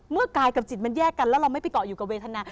กายกับจิตมันแยกกันแล้วเราไม่ไปเกาะอยู่กับเวทนา